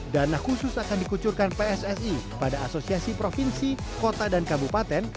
dana khusus akan dikucurkan pssi pada asosiasi provinsi kota dan kabupaten